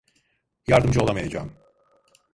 Yardımcı olamayacağım.